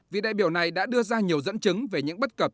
vị đại biểu này đã đưa ra nhiều dẫn chứng về những bất cập